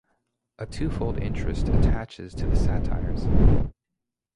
A twofold interest attaches to the satires.